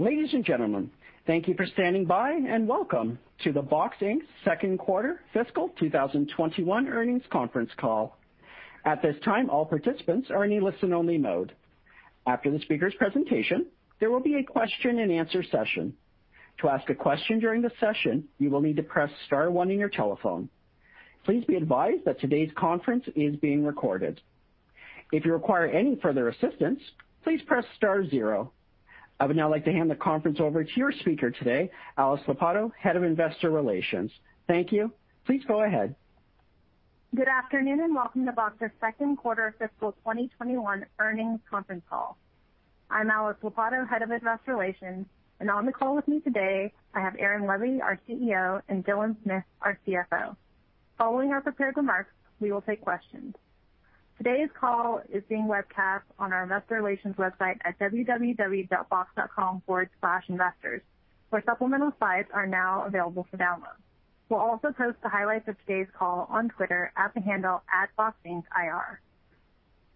Ladies and gentlemen, thank you for standing by, and welcome to the Box, Inc.'s second quarter fiscal 2021 earnings conference call. I would now like to hand the conference over to your speaker today, Alice Lopatto, Head of Investor Relations. Thank you. Please go ahead. Good afternoon and welcome to Box's second quarter fiscal 2021 earnings conference call. I'm Alice Lopatto, Head of Investor Relations, and on the call with me today, I have Aaron Levie, our Chief Executive Officer, and Dylan Smith, our Chief Financial Officer. Following our prepared remarks, we will take questions. Today's call is being webcast on our investor relations website at www.box.com/investors, where supplemental slides are now available for download. We'll also post the highlights of today's call on Twitter at the handle @BoxIncIR.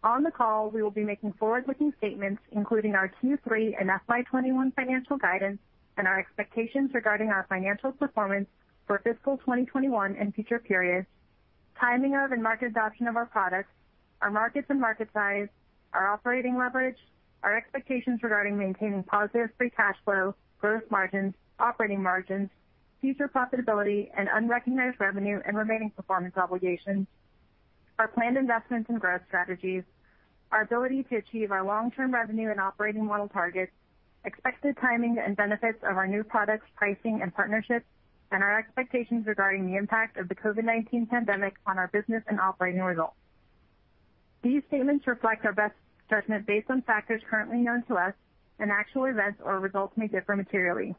On the call, we will be making forward-looking statements, including our Q3 and FY 2021 financial guidance and our expectations regarding our financial performance for fiscal 2021 and future periods, timing of and market adoption of our products, our markets and market size, our operating leverage, our expectations regarding maintaining positive free cash flow, gross margins, operating margins, future profitability, and unrecognized revenue and remaining performance obligations, our planned investments and growth strategies, our ability to achieve our long-term revenue and operating model targets, expected timing and benefits of our new products, pricing and partnerships, and our expectations regarding the impact of the COVID-19 pandemic on our business and operating results. These statements reflect our best judgment based on factors currently known to us, and actual events or results may differ materially.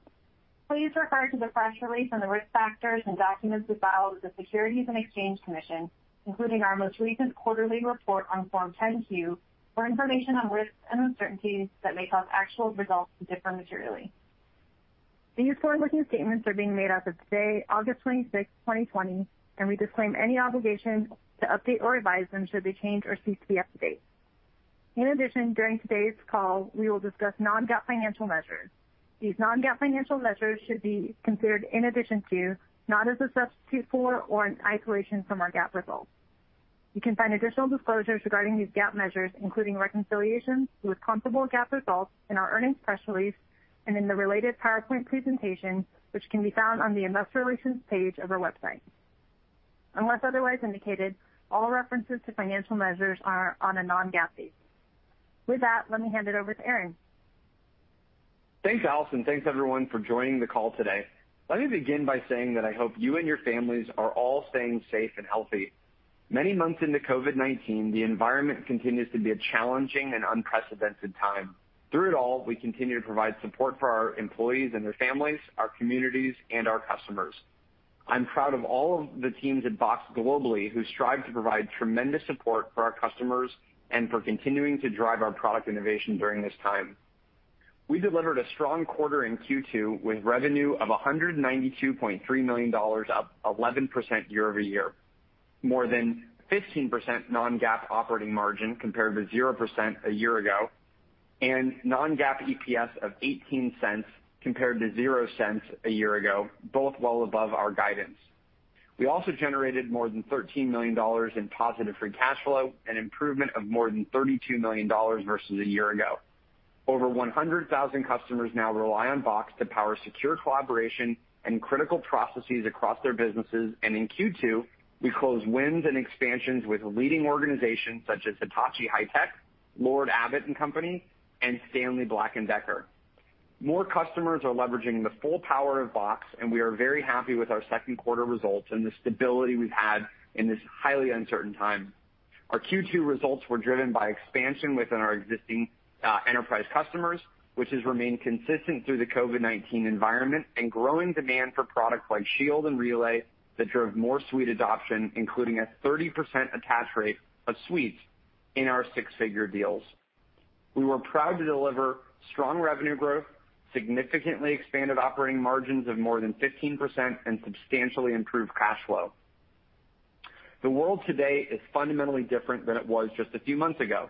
Please refer to the press release and the risk factors and documents we file with the Securities and Exchange Commission, including our most recent quarterly report on Form 10-Q, for information on risks and uncertainties that may cause actual results to differ materially. These forward-looking statements are being made as of today, August 26th, 2020, and we disclaim any obligation to update or revise them should they change or cease to be up to date. In addition, during today's call, we will discuss Non-GAAP financial measures. These Non-GAAP financial measures should be considered in addition to, not as a substitute for or in isolation from, our GAAP results. You can find additional disclosures regarding these GAAP measures, including reconciliations with comparable GAAP results in our earnings press release and in the related PowerPoint presentation, which can be found on the Investor Relations page of our website. Unless otherwise indicated, all references to financial measures are on a Non-GAAP basis. With that, let me hand it over to Aaron. Thanks, Alice, and thanks, everyone, for joining the call today. Let me begin by saying that I hope you and your families are all staying safe and healthy. Many months into COVID-19, the environment continues to be a challenging and unprecedented time. Through it all, we continue to provide support for our employees and their families, our communities, and our customers. I'm proud of all of the teams at Box globally who strive to provide tremendous support for our customers and for continuing to drive our product innovation during this time. We delivered a strong quarter in Q2 with revenue of $192.3 million, up 11% year-over-year, more than 15% Non-GAAP operating margin compared to 0% a year ago, and Non-GAAP EPS of $0.18 compared to $0.00 a year ago, both well above our guidance. We also generated more than $13 million in positive free cash flow, an improvement of more than $32 million versus a year ago. Over 100,000 customers now rely on Box to power secure collaboration and critical processes across their businesses. In Q2, we closed wins and expansions with leading organizations such as Hitachi High-Tech, Lord, Abbett & Co., and Stanley Black & Decker. More customers are leveraging the full power of Box. We are very happy with our second quarter results and the stability we've had in this highly uncertain time. Our Q2 results were driven by expansion within our existing enterprise customers, which has remained consistent through the COVID-19 environment. Growing demand for products like Shield and Relay that drove more suite adoption, including a 30% attach rate of suites in our six-figure deals. We were proud to deliver strong revenue growth, significantly expanded operating margins of more than 15%, and substantially improved cash flow. The world today is fundamentally different than it was just a few months ago.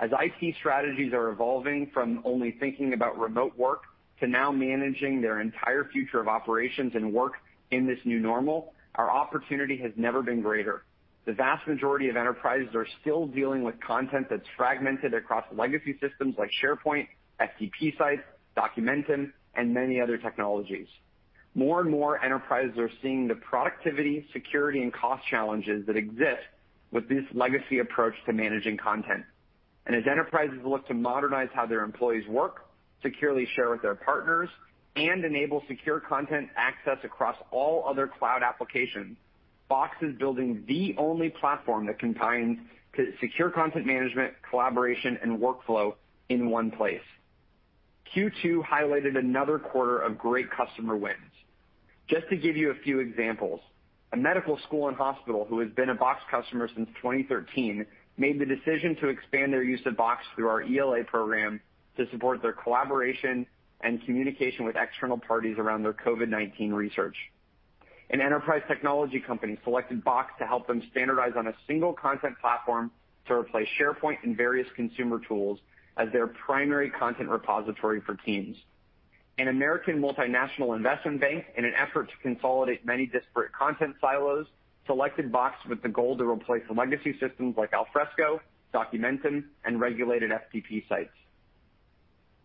As IT strategies are evolving from only thinking about remote work to now managing their entire future of operations and work in this new normal, our opportunity has never been greater. The vast majority of enterprises are still dealing with content that's fragmented across legacy systems like SharePoint, FTP sites, Documentum, and many other technologies. More and more enterprises are seeing the productivity, security, and cost challenges that exist with this legacy approach to managing content. As enterprises look to modernize how their employees work, securely share with their partners, and enable secure content access across all other cloud applications, Box is building the only platform that combines secure content management, collaboration, and workflow in one place. Q2 highlighted another quarter of great customer wins. Just to give you a few examples, a medical school and hospital who has been a Box customer since 2013 made the decision to expand their use of Box through our ELA program to support their collaboration and communication with external parties around their COVID-19 research. An enterprise technology company selected Box to help them standardize on a single content platform to replace SharePoint and various consumer tools as their primary content repository for Teams. An American multinational investment bank, in an effort to consolidate many disparate content silos, selected Box with the goal to replace legacy systems like Alfresco, Documentum, and regulated FTP sites.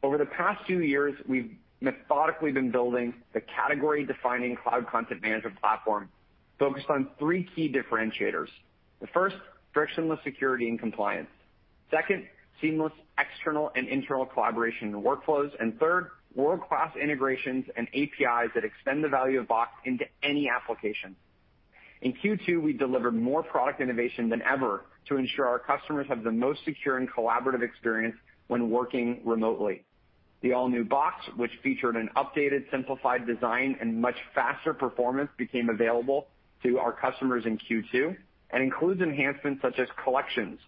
Over the past few years, we've methodically been building the category-defining cloud content management platform focused on three key differentiators. The first, frictionless security and compliance. Second, seamless external and internal collaboration workflows. Third, world-class integrations and APIs that extend the value of Box into any application. In Q2, we delivered more product innovation than ever to ensure our customers have the most secure and collaborative experience when working remotely. The all-new Box, which featured an updated, simplified design and much faster performance, became available to our customers in Q2 and includes enhancements such as collections,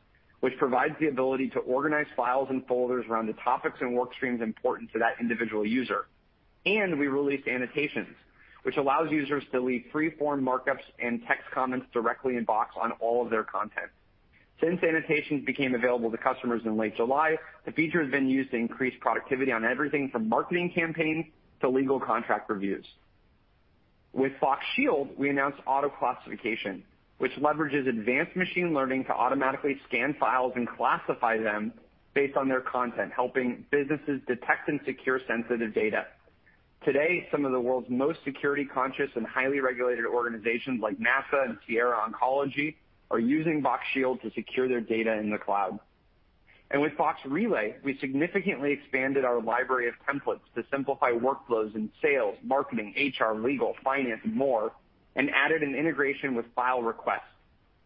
which provides the ability to organize files and folders around the topics and workstreams important to that individual user. We released annotations, which allows users to leave free-form markups and text comments directly in Box on all of their content. Since annotations became available to customers in late July, the feature has been used to increase productivity on everything from marketing campaigns to legal contract reviews. With Box Shield, we announced auto-classification, which leverages advanced machine learning to automatically scan files and classify them based on their content, helping businesses detect and secure sensitive data. Today, some of the world's most security-conscious and highly regulated organizations, like NASA and Sierra Oncology, are using Box Shield to secure their data in the cloud. With Box Relay, we significantly expanded our library of templates to simplify workflows in sales, marketing, HR, legal, finance, and more, and added an integration with file requests.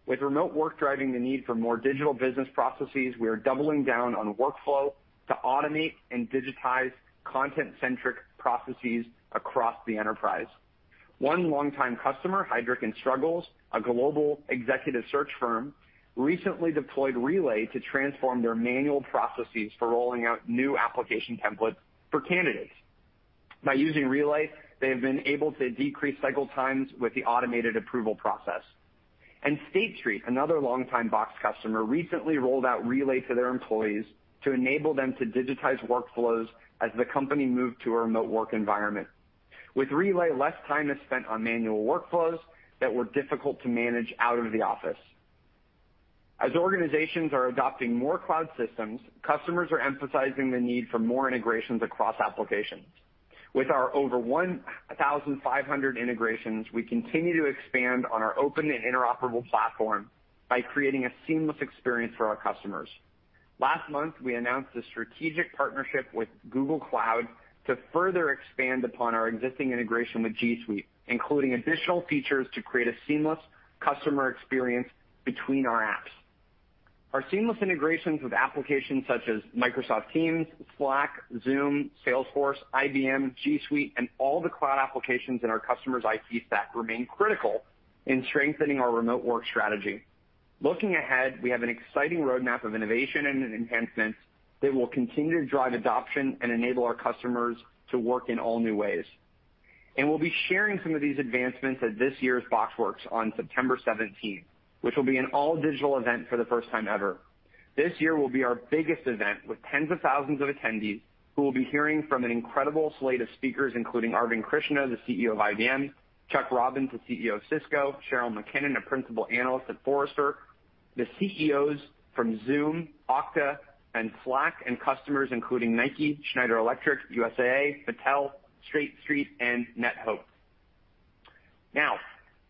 With remote work driving the need for more digital business processes, we are doubling down on workflow to automate and digitize content-centric processes across the enterprise. One longtime customer, Heidrick & Struggles, a global executive search firm, recently deployed Relay to transform their manual processes for rolling out new application templates for candidates. By using Relay, they have been able to decrease cycle times with the automated approval process. State Street, another longtime Box customer, recently rolled out Relay to their employees to enable them to digitize workflows as the company moved to a remote work environment. With Relay, less time is spent on manual workflows that were difficult to manage out of the office. As organizations are adopting more cloud systems, customers are emphasizing the need for more integrations across applications. With our over 1,500 integrations, we continue to expand on our open and interoperable platform by creating a seamless experience for our customers. Last month, we announced a strategic partnership with Google Cloud to further expand upon our existing integration with G Suite, including additional features to create a seamless customer experience between our apps. Our seamless integrations with applications such as Microsoft Teams, Slack, Zoom, Salesforce, IBM, G Suite, and all the cloud applications in our customers' IT stack remain critical in strengthening our remote work strategy. Looking ahead, we have an exciting roadmap of innovation and enhancements that will continue to drive adoption and enable our customers to work in all new ways. We'll be sharing some of these advancements at this year's BoxWorks on September 17th, which will be an all-digital event for the first time ever. This year will be our biggest event, with tens of thousands of attendees who will be hearing from an incredible slate of speakers, including Arvind Krishna, the Chief Executive Officer of IBM, Chuck Robbins, the Chief Executive Officer of Cisco, Cheryl McKinnon, a principal analyst at Forrester, the Chief Executive Officers from Zoom, Okta, and Slack, and customers including Nike, Schneider Electric, USAA, Mattel, State Street, and NetHope.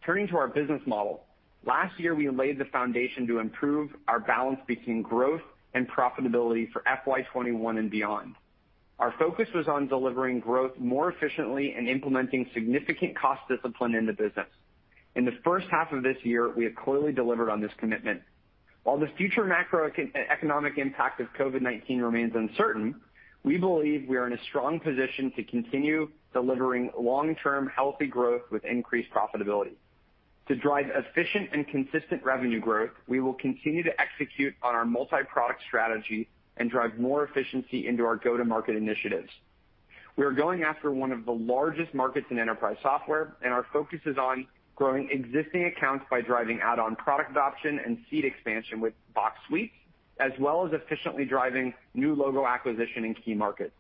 Turning to our business model. Last year, we laid the foundation to improve our balance between growth and profitability for FY 2021 and beyond. Our focus was on delivering growth more efficiently and implementing significant cost discipline in the business. In the first half of this year, we have clearly delivered on this commitment. While the future macroeconomic impact of COVID-19 remains uncertain, we believe we are in a strong position to continue delivering long-term healthy growth with increased profitability. To drive efficient and consistent revenue growth, we will continue to execute on our multiproduct strategy and drive more efficiency into our go-to-market initiatives. We are going after one of the largest markets in enterprise software. Our focus is on growing existing accounts by driving add-on product adoption and seat expansion with Box Suites, as well as efficiently driving new logo acquisition in key markets.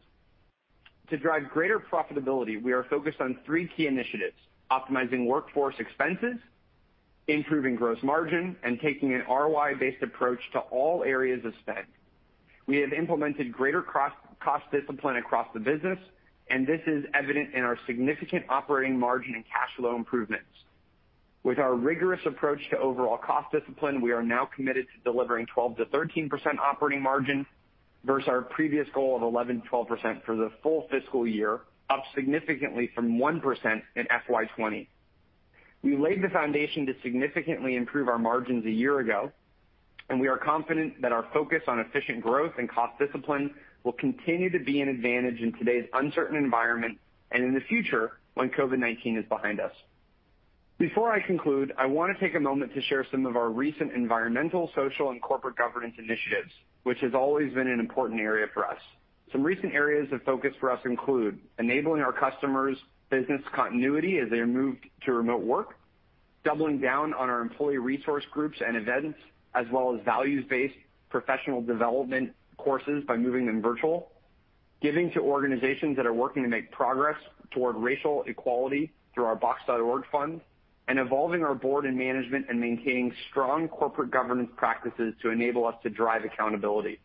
To drive greater profitability, we are focused on three key initiatives: optimizing workforce expenses, improving gross margin, and taking an ROI-based approach to all areas of spend. We have implemented greater cost discipline across the business. This is evident in our significant operating margin and cash flow improvements. With our rigorous approach to overall cost discipline, we are now committed to delivering 12%-13% operating margin versus our previous goal of 11%-12% for the full fiscal year, up significantly from 1% in FY 2020. We laid the foundation to significantly improve our margins a year ago, and we are confident that our focus on efficient growth and cost discipline will continue to be an advantage in today's uncertain environment and in the future when COVID-19 is behind us. Before I conclude, I want to take a moment to share some of our recent environmental, social, and corporate governance initiatives, which has always been an important area for us. Some recent areas of focus for us include enabling our customers' business continuity as they moved to remote work, doubling down on our employee resource groups and events, as well as values-based professional development courses by moving them virtual, giving to organizations that are working to make progress toward racial equality through our Box.org fund, and evolving our board and management and maintaining strong corporate governance practices to enable us to drive accountability.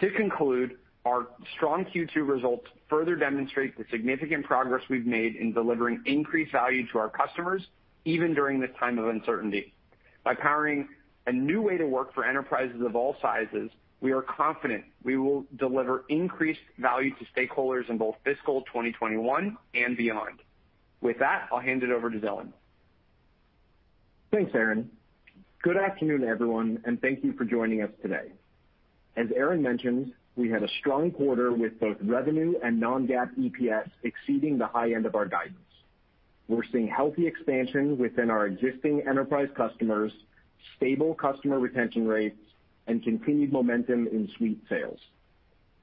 To conclude, our strong Q2 results further demonstrate the significant progress we've made in delivering increased value to our customers, even during this time of uncertainty. By powering a new way to work for enterprises of all sizes, we are confident we will deliver increased value to stakeholders in both fiscal 2021 and beyond. With that, I'll hand it over to Dylan. Thanks, Aaron. Good afternoon, everyone. Thank you for joining us today. As Aaron mentioned, we had a strong quarter with both revenue and Non-GAAP EPS exceeding the high end of our guidance. We're seeing healthy expansion within our existing enterprise customers, stable customer retention rates, and continued momentum in suite sales.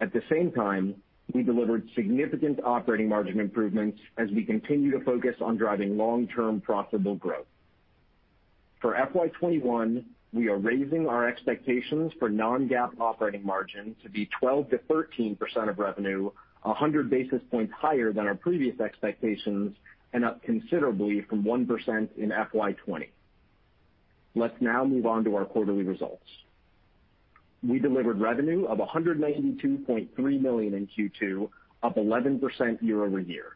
At the same time, we delivered significant operating margin improvements as we continue to focus on driving long-term profitable growth. For FY 2021, we are raising our expectations for Non-GAAP operating margin to be 12%-13% of revenue, 100 basis points higher than our previous expectations and up considerably from 1% in FY 2020. Let's now move on to our quarterly results. We delivered revenue of $192.3 million in Q2, up 11% year-over-year.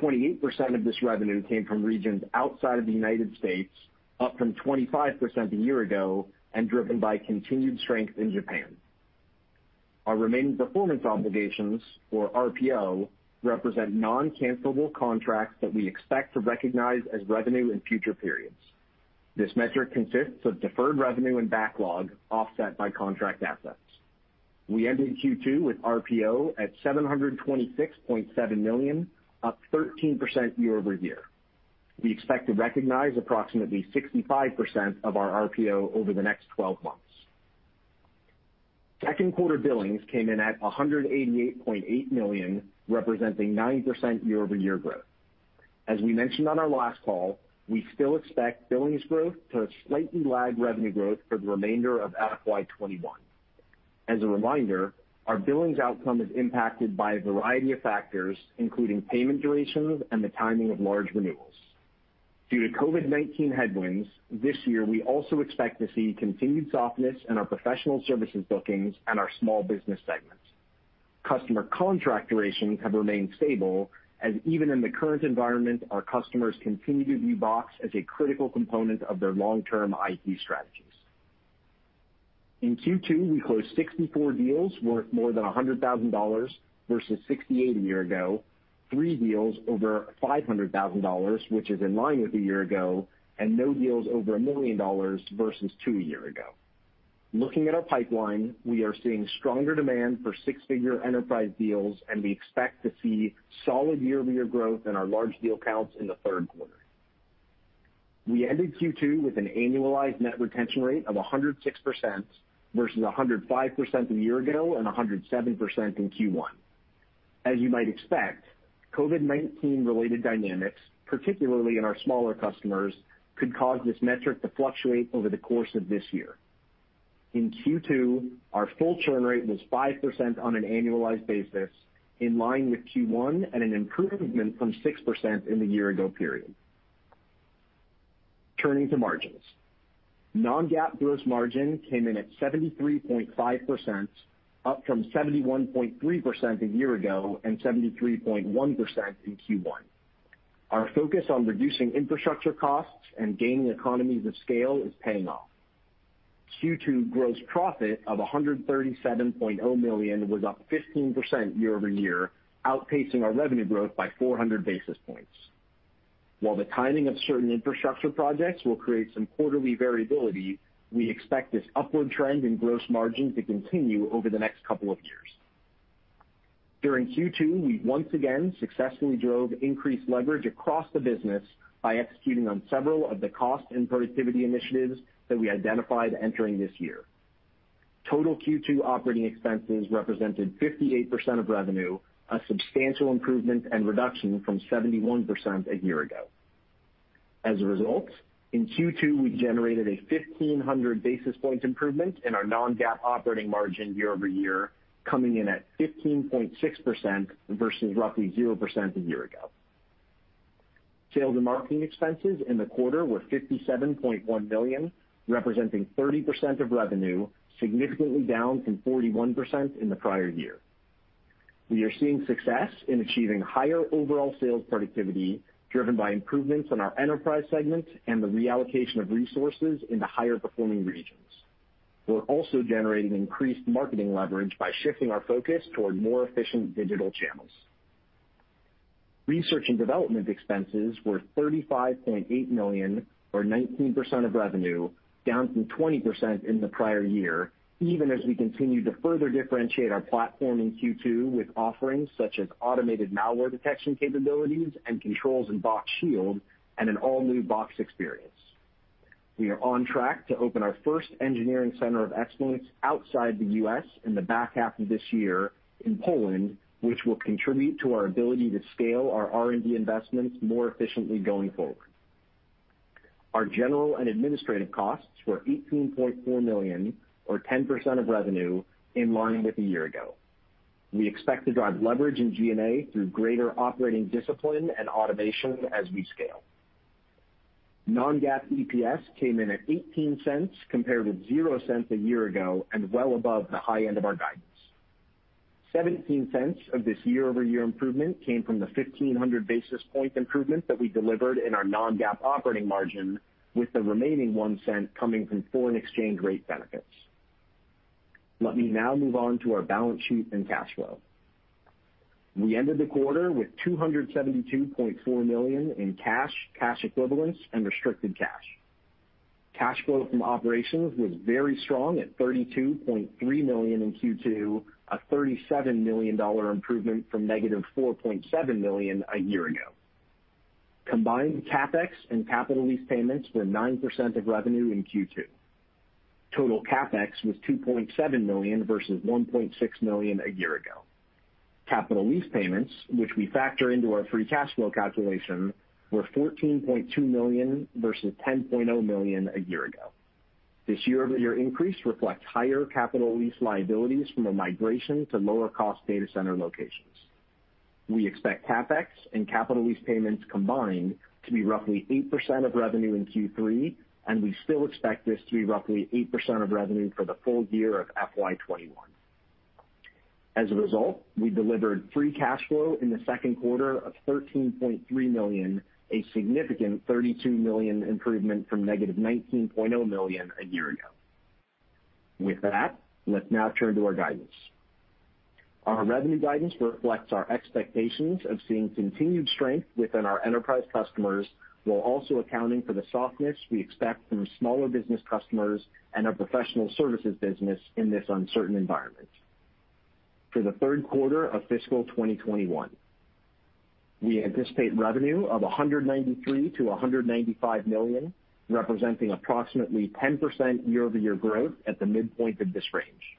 28% of this revenue came from regions outside of the U.S., up from 25% a year ago, and driven by continued strength in Japan. Our remaining performance obligations, or RPO, represent non-cancelable contracts that we expect to recognize as revenue in future periods. This metric consists of deferred revenue and backlog offset by contract assets. We ended Q2 with RPO at $726.7 million, up 13% year-over-year. We expect to recognize approximately 65% of our RPO over the next 12 months. Second quarter billings came in at $188.8 million, representing 9% year-over-year growth. As we mentioned on our last call, we still expect billings growth to slightly lag revenue growth for the remainder of FY 2021. As a reminder, our billings outcome is impacted by a variety of factors, including payment durations and the timing of large renewals. Due to COVID-19 headwinds, this year, we also expect to see continued softness in our professional services bookings and our small business segments. Customer contract durations have remained stable, as even in the current environment, our customers continue to view Box as a critical component of their long-term IT strategies. In Q2, we closed 64 deals worth more than $100,000 versus 68 a year ago, three deals over $500,000, which is in line with a year ago, and no deals over $1 million versus two a year ago. Looking at our pipeline, we are seeing stronger demand for six-figure enterprise deals, and we expect to see solid year-over-year growth in our large deal counts in the third quarter. We ended Q2 with an annualized net retention rate of 106% versus 105% a year ago and 107% in Q1. As you might expect, COVID-19-related dynamics, particularly in our smaller customers, could cause this metric to fluctuate over the course of this year. In Q2, our full churn rate was 5% on an annualized basis, in line with Q1 and an improvement from 6% in the year-ago period. Turning to margins. Non-GAAP gross margin came in at 73.5%, up from 71.3% a year ago and 73.1% in Q1. Our focus on reducing infrastructure costs and gaining economies of scale is paying off. Q2 gross profit of $137.0 million was up 15% year-over-year, outpacing our revenue growth by 400 basis points. While the timing of certain infrastructure projects will create some quarterly variability, we expect this upward trend in gross margin to continue over the next couple of years. During Q2, we once again successfully drove increased leverage across the business by executing on several of the cost and productivity initiatives that we identified entering this year. Total Q2 operating expenses represented 58% of revenue, a substantial improvement and reduction from 71% a year ago. As a result, in Q2, we generated a 1,500 basis point improvement in our Non-GAAP operating margin year-over-year, coming in at 15.6% versus roughly 0% a year ago. Sales and marketing expenses in the quarter were $57.1 million, representing 30% of revenue, significantly down from 41% in the prior year. We are seeing success in achieving higher overall sales productivity, driven by improvements in our enterprise segment and the reallocation of resources into higher performing regions. We're also generating increased marketing leverage by shifting our focus toward more efficient digital channels. R&D expenses were $35.8 million, or 19% of revenue, down from 20% in the prior year, even as we continue to further differentiate our platform in Q2 with offerings such as automated malware detection capabilities and controls in Box Shield and an all-new Box experience. We are on track to open our first engineering center of excellence outside the U.S. in the back half of this year in Poland, which will contribute to our ability to scale our R&D investments more efficiently going forward. Our G&A costs were $18.4 million or 10% of revenue in line with a year ago. We expect to drive leverage in G&A through greater operating discipline and automation as we scale. Non-GAAP EPS came in at $0.18 compared with $0.00 a year ago and well above the high end of our guidance. $0.17 of this year-over-year improvement came from the 1,500 basis point improvement that we delivered in our Non-GAAP operating margin, with the remaining $0.01 coming from foreign exchange rate benefits. Let me now move on to our balance sheet and cash flow. We ended the quarter with $272.4 million in cash equivalents, and restricted cash. Cash flow from operations was very strong at $32.3 million in Q2, a $37 million improvement from negative $4.7 million a year ago. Combined CapEx and capital lease payments were 9% of revenue in Q2. Total CapEx was $2.7 million versus $1.6 million a year ago. Capital lease payments, which we factor into our free cash flow calculation, were $14.2 million versus $10.0 million a year ago. This year-over-year increase reflects higher capital lease liabilities from a migration to lower-cost data center locations. We expect CapEx and capital lease payments combined to be roughly 8% of revenue in Q3, and we still expect this to be roughly 8% of revenue for the full year of FY 2021. As a result, we delivered free cash flow in the second quarter of $13.3 million, a significant $32 million improvement from negative $19.0 million a year ago. With that, let's now turn to our guidance. Our revenue guidance reflects our expectations of seeing continued strength within our enterprise customers while also accounting for the softness we expect from smaller business customers and our professional services business in this uncertain environment. For the third quarter of fiscal 2021, we anticipate revenue of $193 million-$195 million, representing approximately 10% year-over-year growth at the midpoint of this range.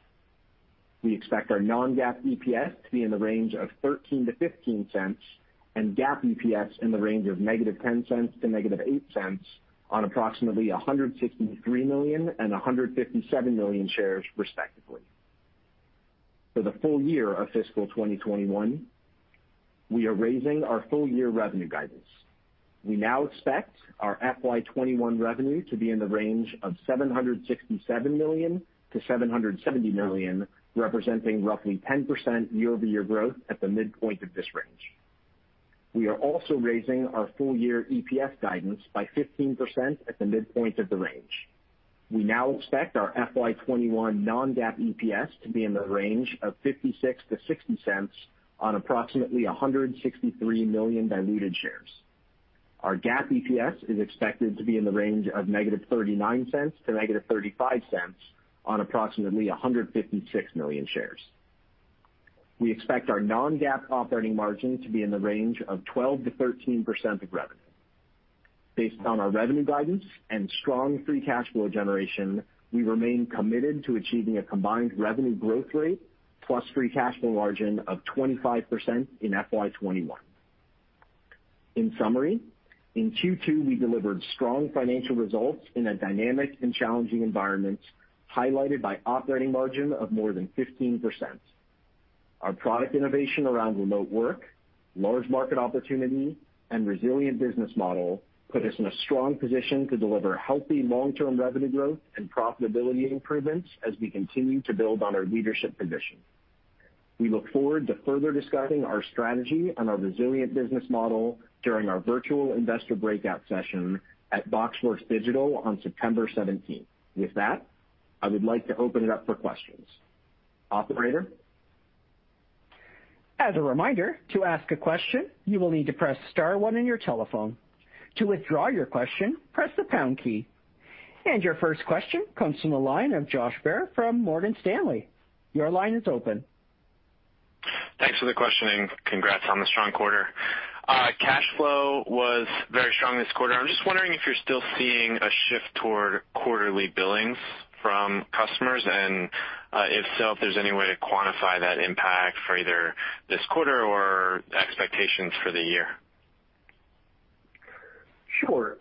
We expect our Non-GAAP EPS to be in the range of $0.13-$0.15 and GAAP EPS in the range of -$0.10 to -$0.08 on approximately 163 million and 157 million shares, respectively. For the full year of fiscal 2021, we are raising our full-year revenue guidance. We now expect our FY 2021 revenue to be in the range of $767 million-$770 million, representing roughly 10% year-over-year growth at the midpoint of this range. We are also raising our full-year EPS guidance by 15% at the midpoint of the range. We now expect our FY 2021 Non-GAAP EPS to be in the range of $0.56-$0.60 on approximately 163 million diluted shares. Our GAAP EPS is expected to be in the range of -$0.39 to -$0.35 on approximately 156 million shares. We expect our Non-GAAP operating margin to be in the range of 12%-13% of revenue. Based on our revenue guidance and strong free cash flow generation, we remain committed to achieving a combined revenue growth rate plus free cash flow margin of 25% in FY 2021. In summary, in Q2, we delivered strong financial results in a dynamic and challenging environment, highlighted by operating margin of more than 15%. Our product innovation around remote work, large market opportunity, and resilient business model put us in a strong position to deliver healthy long-term revenue growth and profitability improvements as we continue to build on our leadership position. We look forward to further discussing our strategy and our resilient business model during our virtual investor breakout session at BoxWorks Digital on September 17th. With that, I would like to open it up for questions. Operator? As a reminder, to ask a question, you will need to press star one in your telephone. To withdraw your question, press the hash key. Your first question comes from the line of Josh Baer from Morgan Stanley. Your line is open. Thanks for the question, and congrats on the strong quarter. Cash flow was very strong this quarter. I'm just wondering if you're still seeing a shift toward quarterly billings from customers, and, if so, if there's any way to quantify that impact for either this quarter or expectations for the year? Sure.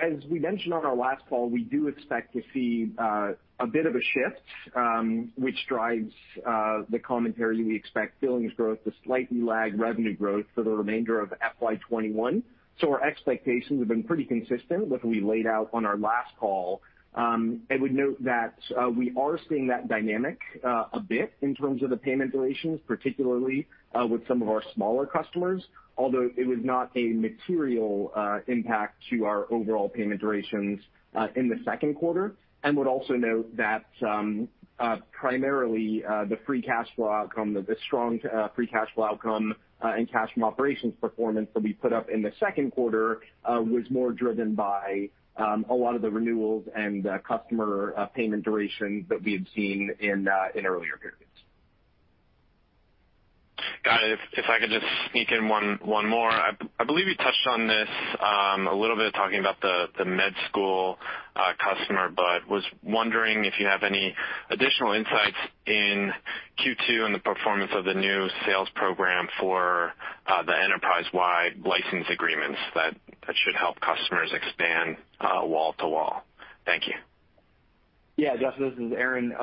As we mentioned on our last call, we do expect to see a bit of a shift, which drives the commentary we expect billings growth to slightly lag revenue growth for the remainder of FY 2021. Our expectations have been pretty consistent with what we laid out on our last call. I would note that we are seeing that dynamic a bit in terms of the payment durations, particularly with some of our smaller customers, although it was not a material impact to our overall payment durations in the second quarter. Would also note that primarily the strong free cash flow outcome and cash from operations performance that we put up in the second quarter was more driven by a lot of the renewals and customer payment duration that we had seen in earlier periods. If I could just sneak in one more. I believe you touched on this a little bit talking about the med school customer, but was wondering if you have any additional insights in Q2 and the performance of the new sales program for the enterprise-wide license agreements that should help customers expand wall to wall? Thank you. Yeah, Justin, this is Aaron.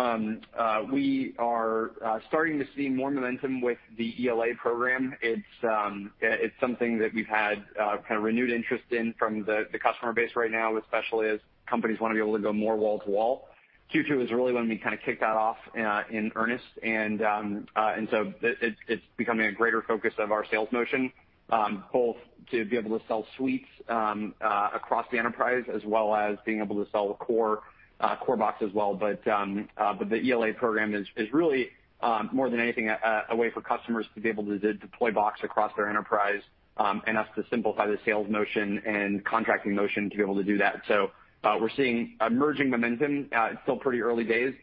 We are starting to see more momentum with the ELA program. It's something that we've had kind of renewed interest in from the customer base right now, especially as companies want to be able to go more wall to wall. Q2 is really when we kind of kick that off in earnest. It's becoming a greater focus of our sales motion, both to be able to sell suites across the enterprise as well as being able to sell the core Box as well. The ELA program is really, more than anything, a way for customers to be able to deploy Box across their enterprise, and us to simplify the sales motion and contracting motion to be able to do that. We're seeing emerging momentum. It's still pretty early days.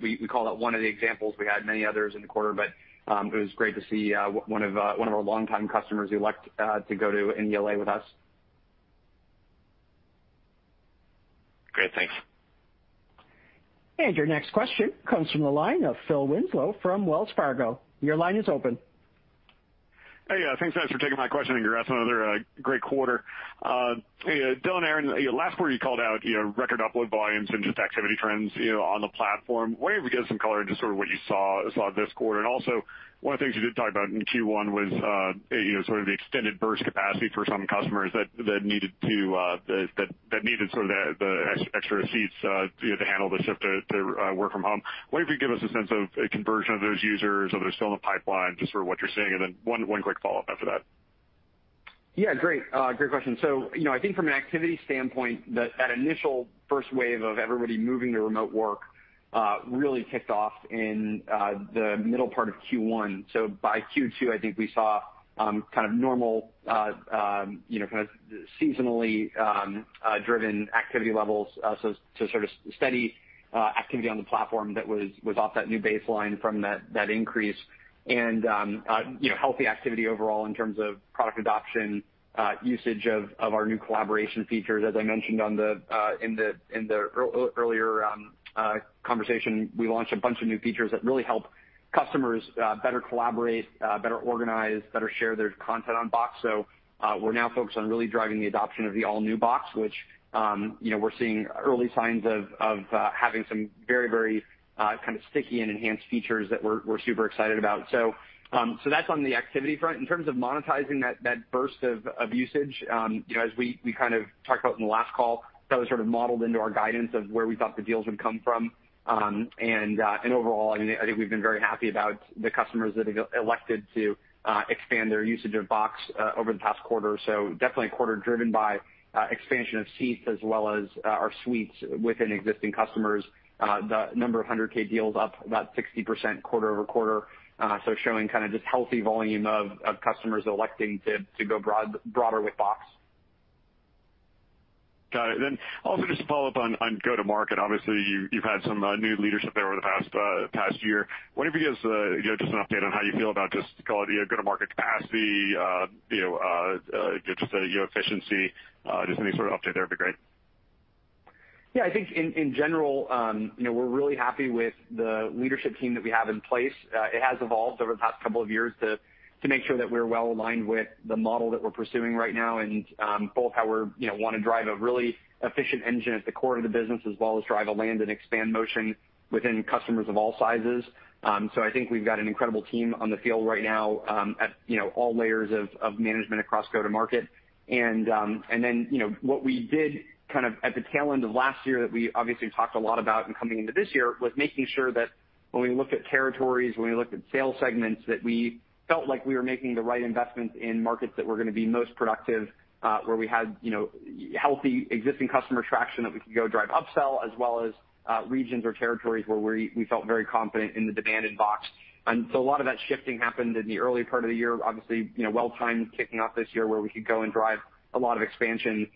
We call that one of the examples. We had many others in the quarter, but it was great to see one of our longtime customers elect to go to an ELA with us. Great. Thanks. Your next question comes from the line of Phil Winslow from Wells Fargo. Your line is open. Hey, thanks guys for taking my question, and congrats on another great quarter. Hey, Dylan, Aaron, last quarter you called out record upload volumes and just activity trends on the platform. Wonder if we could get some color into sort of what you saw this quarter, and also one of the things you did talk about in Q1 was sort of the extended burst capacity for some customers that needed the extra seats to handle the shift to work from home? Wonder if you could give us a sense of a conversion of those users, are they still in the pipeline, just sort of what you're seeing, and then one quick follow-up after that? Yeah, great question. I think from an activity standpoint, that initial first wave of everybody moving to remote work really kicked off in the middle part of Q1. By Q2, I think we saw kind of normal, kind of seasonally driven activity levels, so sort of steady activity on the platform that was off that new baseline from that increase and healthy activity overall in terms of product adoption, usage of our new collaboration features. As I mentioned in the earlier conversation, we launched a bunch of new features that really help customers better collaborate, better organize, better share their content on Box. We're now focused on really driving the adoption of the all-new Box, which we're seeing early signs of having some very kind of sticky and enhanced features that we're super excited about. That's on the activity front. In terms of monetizing that burst of usage, as we kind of talked about in the last call, that was sort of modeled into our guidance of where we thought the deals would come from. Overall, I think we've been very happy about the customers that have elected to expand their usage of Box over the past quarter or so. Definitely a quarter driven by expansion of seats as well as our suites within existing customers. The number of 100,000 deals up about 60% quarter-over-quarter. Showing kind of just healthy volume of customers electing to go broader with Box. Got it. Also just to follow up on go-to-market, obviously you've had some new leadership there over the past year. Wonder if you could give just an update on how you feel about just call it go-to-market capacity, just your efficiency, just any sort of update there would be great? Yeah, I think in general, we're really happy with the leadership team that we have in place. It has evolved over the past couple of years to make sure that we're well aligned with the model that we're pursuing right now in both how we want to drive a really efficient engine at the core of the business, as well as drive a land and expand motion within customers of all sizes. I think we've got an incredible team on the field right now at all layers of management across go-to-market. What we did kind of at the tail end of last year that we obviously talked a lot about and coming into this year was making sure that when we looked at territories, when we looked at sales segments, that we felt like we were making the right investments in markets that were going to be most productive, where we had healthy existing customer traction that we could go drive upsell as well as regions or territories where we felt very confident in the demand in Box. A lot of that shifting happened in the early part of the year, obviously well-timed kicking off this year where we could go and drive a lot of expansion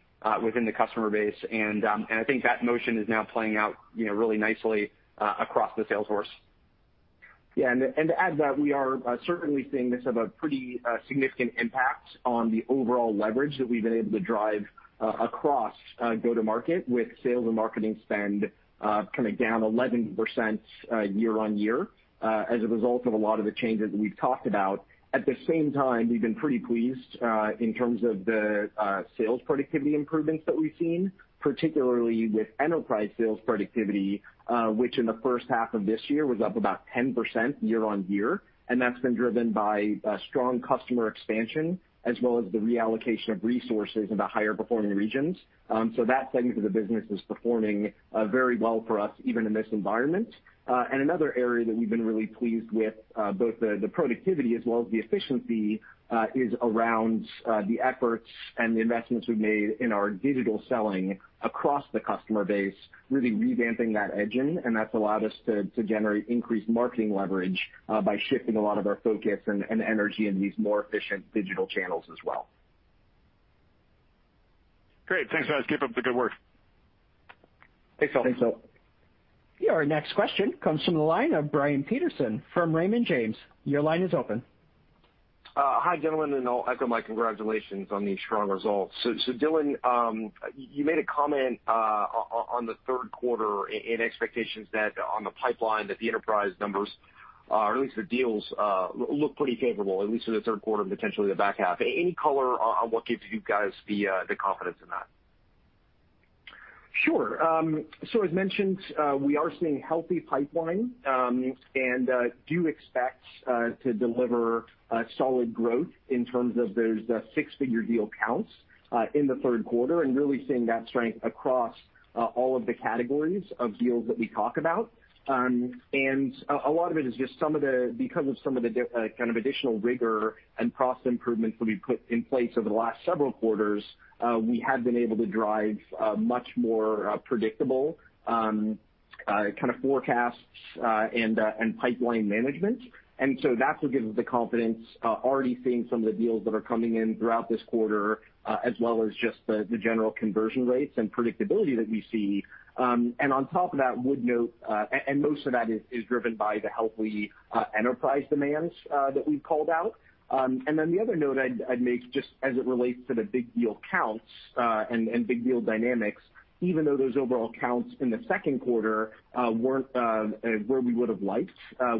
within the customer base. I think that motion is now playing out really nicely across the sales force. Yeah, to add to that, we are certainly seeing this have a pretty significant impact on the overall leverage that we've been able to drive across go-to-market with sales and marketing spend coming down 11% year-on-year as a result of a lot of the changes that we've talked about. At the same time, we've been pretty pleased in terms of the sales productivity improvements that we've seen, particularly with enterprise sales productivity, which in the first half of this year was up about 10% year-on-year, and that's been driven by strong customer expansion as well as the reallocation of resources into higher performing regions. That segment of the business is performing very well for us, even in this environment. Another area that we've been really pleased with both the productivity as well as the efficiency is around the efforts and the investments we've made in our digital selling across the customer base, really revamping that engine. That's allowed us to generate increased marketing leverage by shifting a lot of our focus and energy in these more efficient digital channels as well. Great. Thanks, guys. Keep up the good work. Thanks, Phil. Thanks, Phil. Your next question comes from the line of Brian Peterson from Raymond James. Your line is open. Hi, gentlemen, I'll echo my congratulations on these strong results. Dylan, you made a comment on the third quarter in expectations that on the pipeline, that the enterprise numbers, or at least the deals, look pretty favorable, at least for the third quarter, potentially the back half. Any color on what gives you guys the confidence in that? Sure. As mentioned, we are seeing healthy pipeline, and do expect to deliver a solid growth in terms of those six-figure deal counts, in the third quarter, and really seeing that strength across all of the categories of deals that we talk about. A lot of it is just because of some of the kind of additional rigor and process improvements that we've put in place over the last several quarters, we have been able to drive much more predictable kind of forecasts, and pipeline management. That's what gives us the confidence, already seeing some of the deals that are coming in throughout this quarter, as well as just the general conversion rates and predictability that we see. On top of that, would note, most of that is driven by the healthy enterprise demands that we've called out. The other note I'd make, just as it relates to the big deal counts, and big deal dynamics, even though those overall counts in the second quarter, weren't where we would've liked,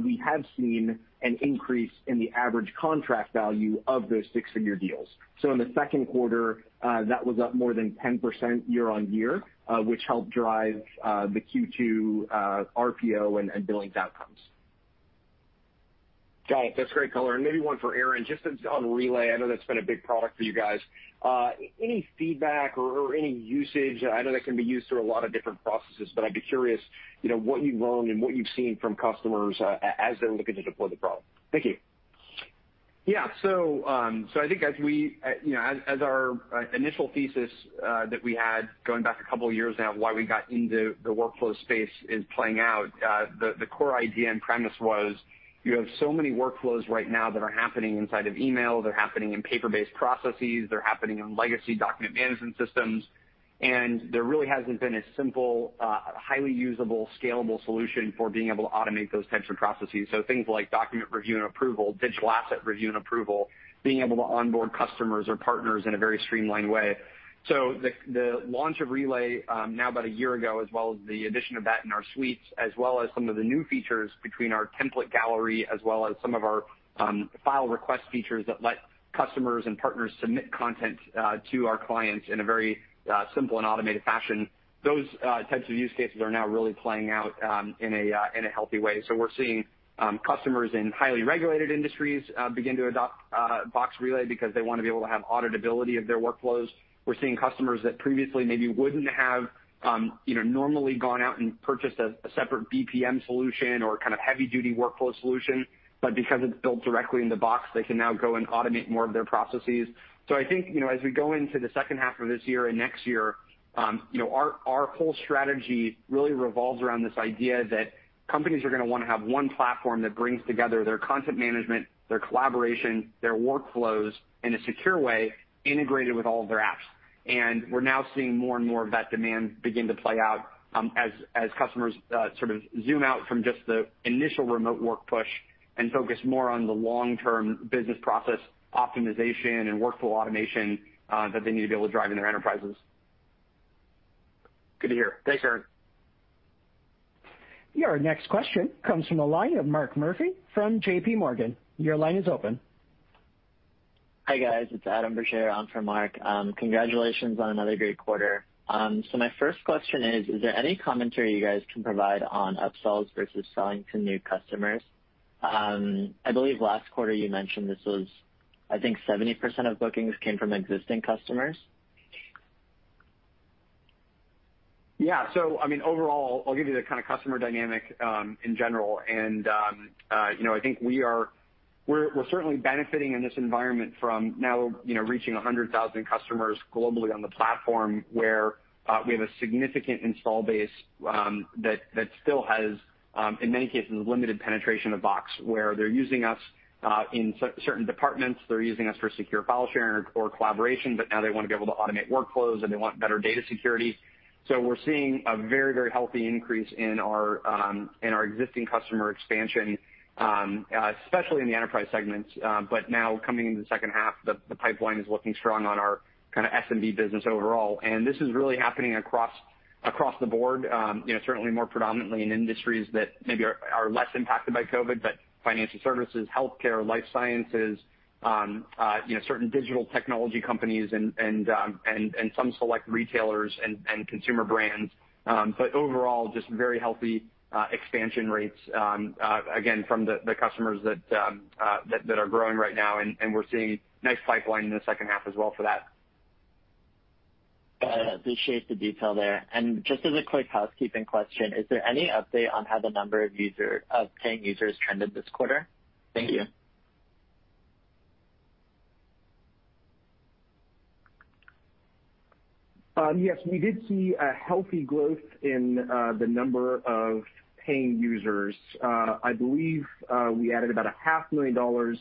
we have seen an increase in the average contract value of those six-figure deals. In the second quarter, that was up more than 10% year-over-year, which helped drive the Q2 RPO and billings outcomes. Got it. That's great color. Maybe one for Aaron, just on Relay. I know that's been a big product for you guys. Any feedback or any usage? I know that can be used through a lot of different processes, but I'd be curious, what you've learned and what you've seen from customers, as they're looking to deploy the product. Thank you. Yeah. I think as our initial thesis that we had, going back a couple years now, why we got into the workflow space is playing out. The core idea and premise was, you have so many workflows right now that are happening inside of email, they're happening in paper-based processes, they're happening in legacy document management systems, and there really hasn't been a simple, highly usable, scalable solution for being able to automate those types of processes. Things like document review and approval, digital asset review and approval, being able to onboard customers or partners in a very streamlined way. The launch of Relay, now about a year ago, as well as the addition of that in our suites, as well as some of the new features between our template gallery, as well as some of our file request features that let customers and partners submit content to our clients in a very simple and automated fashion. Those types of use cases are now really playing out in a healthy way. We're seeing customers in highly regulated industries begin to adopt Box Relay because they want to be able to have auditability of their workflows. We're seeing customers that previously maybe wouldn't have normally gone out and purchased a separate BPM solution or kind of heavy-duty workflow solution, but because it's built directly in the Box, they can now go and automate more of their processes. I think, as we go into the second half of this year and next year, our whole strategy really revolves around this idea that companies are gonna want to have one platform that brings together their content management, their collaboration, their workflows in a secure way, integrated with all of their apps. We're now seeing more and more of that demand begin to play out as customers sort of zoom out from just the initial remote work push and focus more on the long-term business process optimization and workflow automation, that they need to be able to drive in their enterprises. Good to hear. Thanks, Aaron. Your next question comes from the line of Mark Murphy from JPMorgan. Your line is open. Hi, guys. It's Adam Bergere on for Mark. Congratulations on another great quarter. My first question is there any commentary you guys can provide on upsells versus selling to new customers? I believe last quarter you mentioned this was, I think 70% of bookings came from existing customers. Yeah. I mean, overall, I'll give you the kind of customer dynamic in general, and I think we're certainly benefiting in this environment from now reaching 100,000 customers globally on the platform, where we have a significant install base, that still has, in many cases, limited penetration of Box, where they're using us in certain departments, they're using us for secure file sharing or collaboration, but now they want to be able to automate workflows, and they want better data security. We're seeing a very healthy increase in our existing customer expansion, especially in the enterprise segments. Now coming into the second half, the pipeline is looking strong on our kind of SMB business overall, and this is really happening across the board. Certainly more predominantly in industries that maybe are less impacted by COVID, financial services, healthcare, life sciences, certain digital technology companies and some select retailers and consumer brands. Overall, just very healthy expansion rates, again, from the customers that are growing right now, and we're seeing nice pipeline in the second half as well for that. Got it. Appreciate the detail there. Just as a quick housekeeping question, is there any update on how the number of paying users trended this quarter? Thank you. Yes, we did see a healthy growth in the number of paying users. I believe we added about 500,000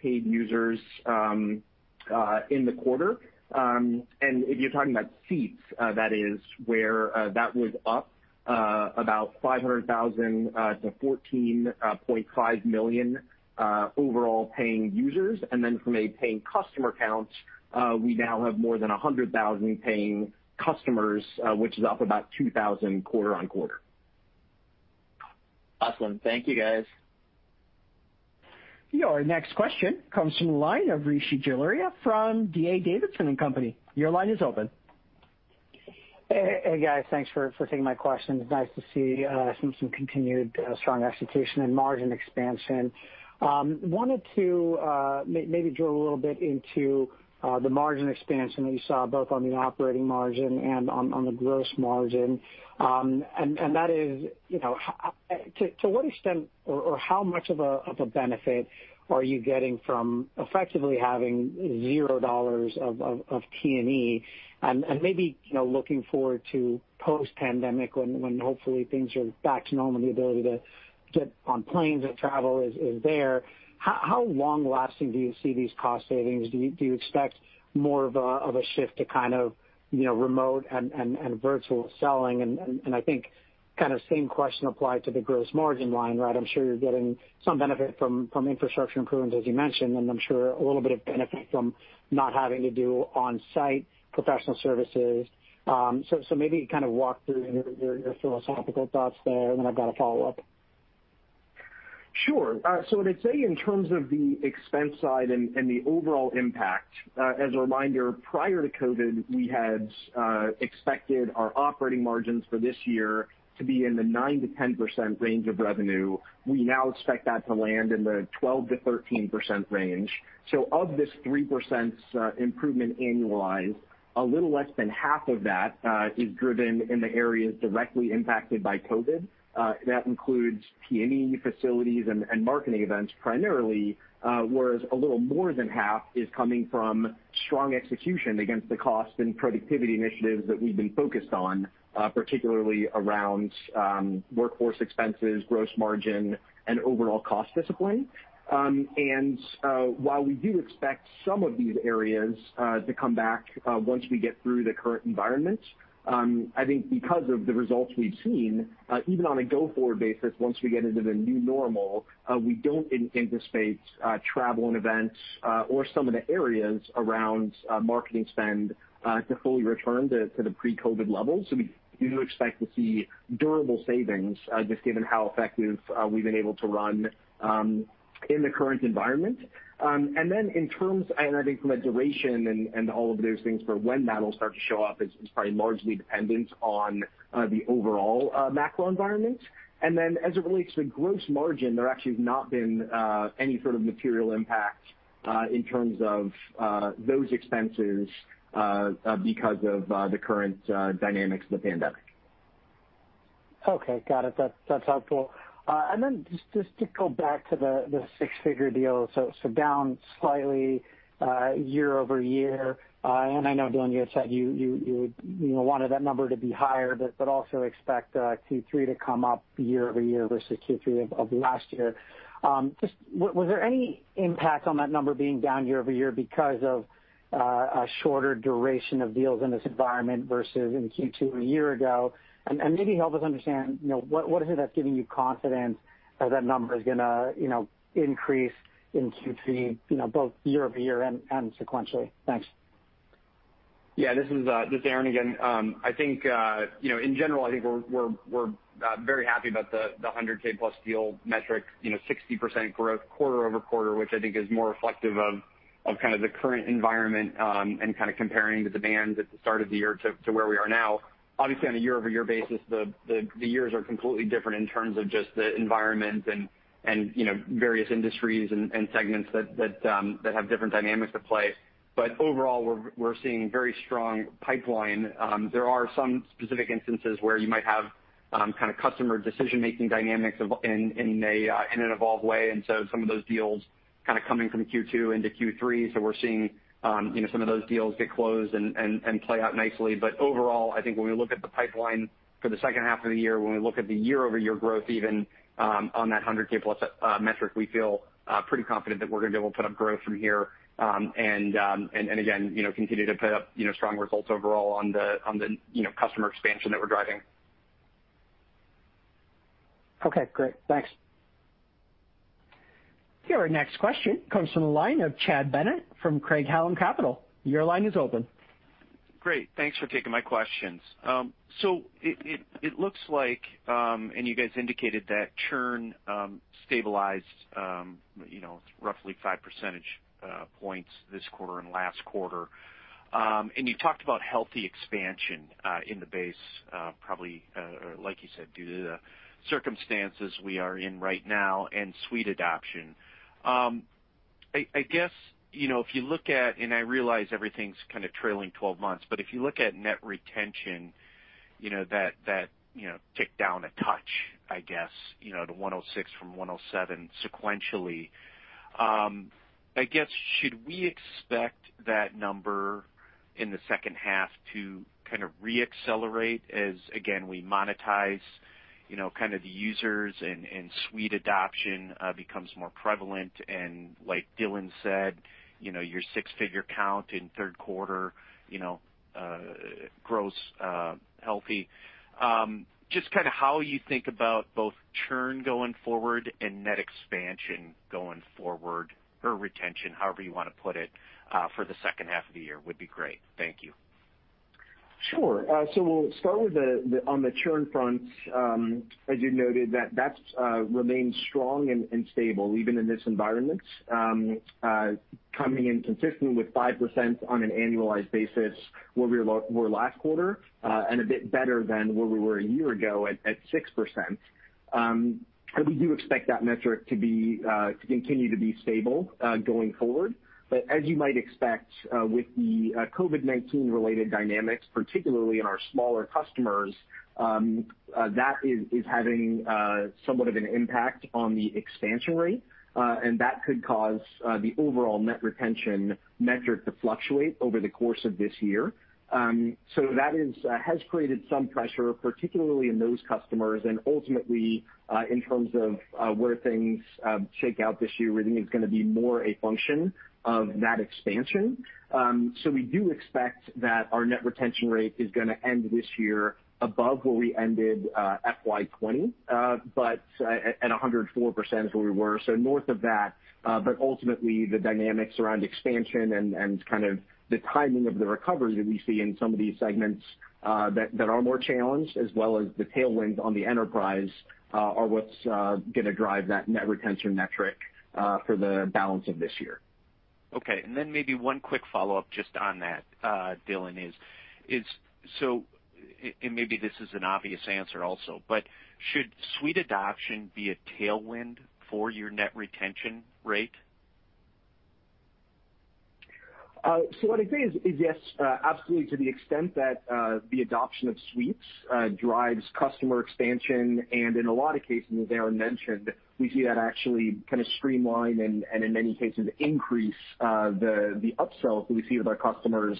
paid users in the quarter. If you're talking about seats, that is where that was up about 500,000 paying users-14.5 million overall paying users. From a paying customer count, we now have more than 100,000 paying customers, which is up about 2,000 quarter on quarter. Awesome. Thank you, guys. Your next question comes from the line of Rishi Jaluria from D.A. Davidson & Co. Your line is open. Hey, guys. Thanks for taking my questions. Nice to see some continued strong execution and margin expansion. Wanted to maybe drill a little bit into the margin expansion that you saw, both on the operating margin and on the gross margin. That is, to what extent or how much of a benefit are you getting from effectively having $0 of T&E? Maybe, looking forward to post-pandemic when hopefully things are back to normal, and the ability to get on planes and travel is there, how long-lasting do you see these cost savings? Do you expect more of a shift to remote and virtual selling? I think, same question applied to the gross margin line, right? I'm sure you're getting some benefit from infrastructure improvements, as you mentioned, and I'm sure a little bit of benefit from not having to do on-site professional services. Maybe kind of walk through your philosophical thoughts there, then I've got a follow-up. Sure. I'd say in terms of the expense side and the overall impact, as a reminder, prior to COVID, we had expected our operating margins for this year to be in the 9%-10% range of revenue. We now expect that to land in the 12%-13% range. Of this 3% improvement annualized, a little less than half of that is driven in the areas directly impacted by COVID. That includes T&E facilities and marketing events primarily, whereas a little more than half is coming from strong execution against the cost and productivity initiatives that we've been focused on, particularly around workforce expenses, gross margin, and overall cost discipline. While we do expect some of these areas to come back once we get through the current environment, I think because of the results we've seen, even on a go-forward basis, once we get into the new normal, we don't anticipate travel and events, or some of the areas around marketing spend, to fully return to the pre-COVID levels. We do expect to see durable savings, just given how effective we've been able to run in the current environment. In terms, I think from a duration and all of those things for when that'll start to show up is probably largely dependent on the overall macro environment. As it relates to gross margin, there actually has not been any sort of material impact in terms of those expenses because of the current dynamics of the pandemic. Okay. Got it. That's helpful. Then just to go back to the six-figure deal, so down slightly year-over-year. I know, Dylan, you had said you wanted that number to be higher but also expect Q3 to come up year-over-year versus Q3 of last year. Just was there any impact on that number being down year-over-year because of a shorter duration of deals in this environment versus in Q2 a year ago? Maybe help us understand what is it that's giving you confidence that number is going to increase in Q3 both year-over-year and sequentially? Thanks. Yeah. This is Aaron again. I think, in general, I think we're very happy about the 100,000+ deal metric, 60% growth quarter-over-quarter, which I think is more reflective of the current environment, kind of comparing the demand at the start of the year to where we are now. On a year-over-year basis, the years are completely different in terms of just the environment and various industries and segments that have different dynamics at play. Overall, we're seeing very strong pipeline. There are some specific instances where you might have customer decision-making dynamics in an evolved way, some of those deals coming from Q2 into Q3. We're seeing some of those deals get closed and play out nicely. Overall, I think when we look at the pipeline for the second half of the year, when we look at the year-over-year growth even on that 100,000+ metric, we feel pretty confident that we're going to be able to put up growth from here. Again, continue to put up strong results overall on the customer expansion that we're driving. Okay, great. Thanks. Your next question comes from the line of Chad Bennett from Craig-Hallum Capital. Your line is open. Great. Thanks for taking my questions. It looks like, you guys indicated that churn stabilized roughly five percentage points this quarter and last quarter. You talked about healthy expansion in the base, probably, like you said, due to the circumstances we are in right now and suite adoption. If you look at, and I realize everything's kind of trailing 12 months, if you look at net retention, that ticked down a touch, to 106% from 107% sequentially. Should we expect that number in the second half to re-accelerate as, again, we monetize the users and suite adoption becomes more prevalent? Like Dylan said, your six-figure count in third quarter grows healthy. Just how you think about both churn going forward and net expansion going forward or retention, however you want to put it, for the second half of the year would be great. Thank you. We'll start on the churn front. As you noted, that remains strong and stable even in this environment, coming in consistent with 5% on an annualized basis where we were last quarter, and a bit better than where we were a year ago at 6%. We do expect that metric to continue to be stable going forward. As you might expect with the COVID-19 related dynamics, particularly in our smaller customers, that is having somewhat of an impact on the expansion rate. That could cause the overall net retention metric to fluctuate over the course of this year. That has created some pressure, particularly in those customers, and ultimately in terms of where things shake out this year, we think it's going to be more a function of that expansion. We do expect that our net retention rate is going to end this year above where we ended FY 2020. At 104% is where we were, so north of that. Ultimately, the dynamics around expansion and the timing of the recovery that we see in some of these segments that are more challenged, as well as the tailwinds on the enterprise, are what's going to drive that net retention metric for the balance of this year. Okay. Maybe one quick follow-up just on that, Dylan is, and maybe this is an obvious answer also, but should suite adoption be a tailwind for your net retention rate? What I'd say is yes, absolutely, to the extent that the adoption of suites drives customer expansion, and in a lot of cases, as Aaron mentioned, we see that actually streamline and in many cases increase the upsells that we see with our customers.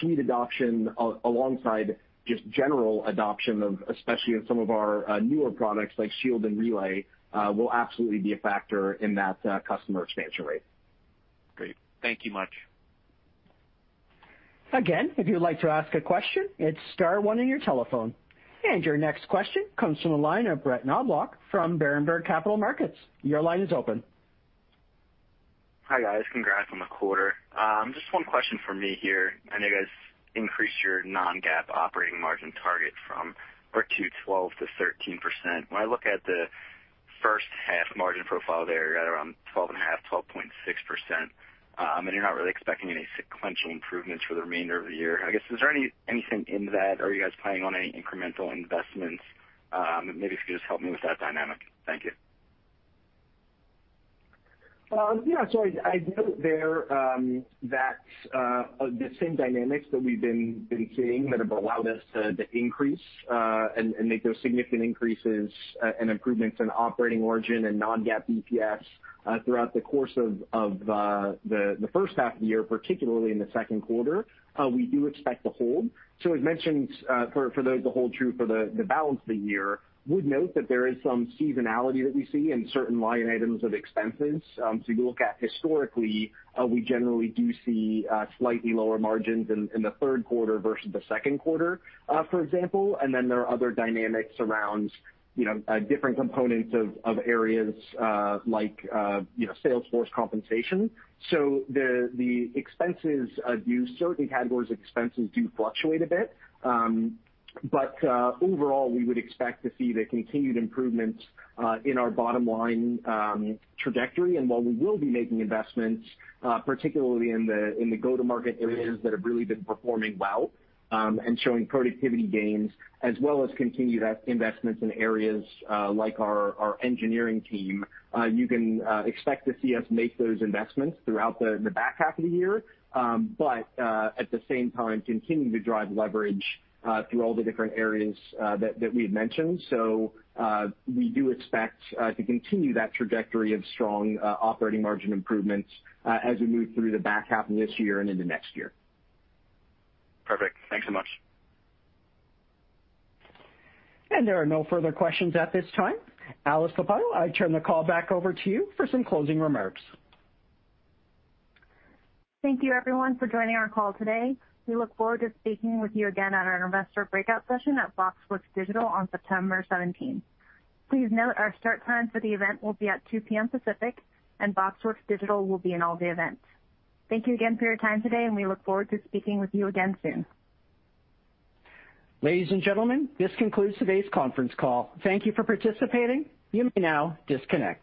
Suite adoption alongside just general adoption of, especially in some of our newer products like Shield and Relay, will absolutely be a factor in that customer expansion rate. Great. Thank you much. Again, if you'd like to ask a question, hit star one on your telephone. Your next question comes from the line of Brett Knoblauch from Berenberg Capital Markets. Your line is open. Hi, guys. Congrats on the quarter. Just one question from me here. I know you guys increased your Non-GAAP operating margin target from Q2 12%-13%. When I look at the first half margin profile there, you got around 12.5%, 12.6%, and you're not really expecting any sequential improvements for the remainder of the year. I guess, is there anything in that? Are you guys planning on any incremental investments? Maybe if you could just help me with that dynamic. Thank you. I'd note there that the same dynamics that we've been seeing that have allowed us to increase and make those significant increases and improvements in operating margin and Non-GAAP EPS throughout the course of the first half of the year, particularly in the second quarter, we do expect to hold. As mentioned, for those to hold true for the balance of the year, would note that there is some seasonality that we see in certain line items of expenses. You look at historically, we generally do see slightly lower margins in the third quarter versus the second quarter, for example. Then there are other dynamics around different components of areas like sales force compensation. The expenses do, certain categories of expenses do fluctuate a bit. Overall, we would expect to see the continued improvements in our bottom-line trajectory. While we will be making investments, particularly in the go-to-market areas that have really been performing well and showing productivity gains, as well as continued investments in areas like our engineering team, you can expect to see us make those investments throughout the back half of the year. At the same time, continuing to drive leverage through all the different areas that we had mentioned. We do expect to continue that trajectory of strong operating margin improvements as we move through the back half of this year and into next year. Perfect. Thanks so much. There are no further questions at this time. Alice Lopatto, I turn the call back over to you for some closing remarks. Thank you everyone for joining our call today. We look forward to speaking with you again at our investor breakout session at BoxWorks Digital on September 17th. Please note our start time for the event will be at 2:00 P.M. Pacific, and BoxWorks Digital will be an all-day event. Thank you again for your time today, and we look forward to speaking with you again soon. Ladies and gentlemen, this concludes today's conference call. Thank you for participating. You may now disconnect.